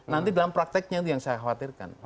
nanti dalam prakteknya itu yang saya khawatirkan